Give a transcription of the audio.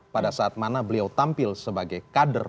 pada saat mana beliau tampil sebagai kader